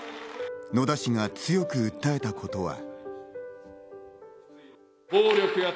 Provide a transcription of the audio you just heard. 野田氏が強く訴えたことは。